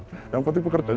perubahan apapun yang berlaku